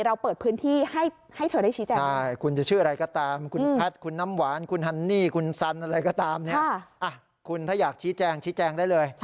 เราเปิดพื้นที่ให้เธอได้ชี้แจง